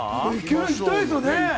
いきたいですよね？